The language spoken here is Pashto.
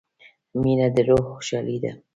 • مینه د روح خوشحالي ده.